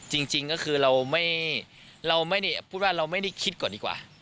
ก็ไม่ได้มีอารมณ์ทางเพศจริงก็คือเราไม่ได้คิดก่อนดีกว่า